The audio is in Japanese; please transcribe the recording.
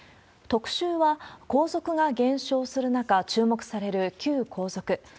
特集は、皇族が減少する中、注目される旧皇族。